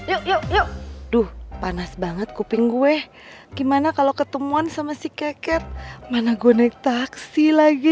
yuk yuk panas banget kuping gue gimana kalau ketemuan sama si keket mana gue naik taksi lagi